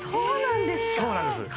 そうなんですか？